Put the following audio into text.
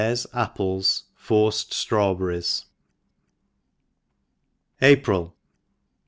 Apples ^ Forced Strawberries APRIL.